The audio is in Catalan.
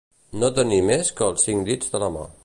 No tenir més que els cinc dits de la mà.